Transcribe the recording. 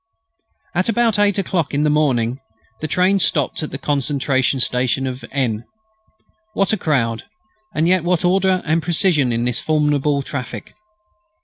At about eight o'clock in the morning the train stopped at the concentration station of N. What a crowd, and yet what order and precision in this formidable traffic!